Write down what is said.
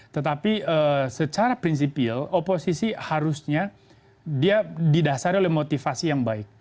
tetapi secara prinsipil oposisi harusnya dia didasari oleh motivasi yang baik